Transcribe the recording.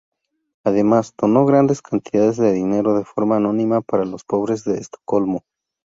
Además, donó grandes cantidades de dinero de forma anónima para los pobres de Estocolmo.